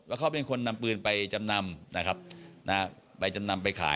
ว่าเขาเป็นคนนำปืนไปจำนำไปจำนำไปขาย